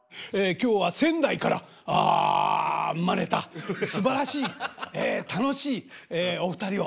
今日は仙台からあ生まれたすばらしい楽しいお二人を。